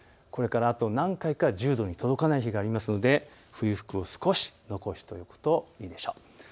これからあと何回か１０度に届かない日がありますので冬服を少し残しておくといいでしょう。